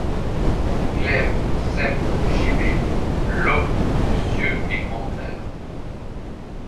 Glaives, sceptres, gibets ! L’homme. aux cieux est contraire ;